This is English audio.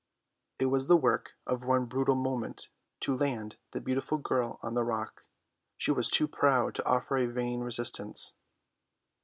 It was the work of one brutal moment to land the beautiful girl on the rock; she was too proud to offer a vain resistance.